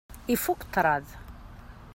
Ifukk ṭṭṛad.